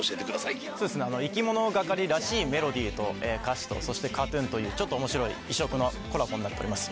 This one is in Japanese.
いきものがかりらしいメロディーと歌詞とそしてＫＡＴ−ＴＵＮというちょっと面白い異色のコラボになっております